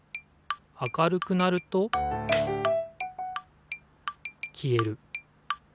明るくなるときえる。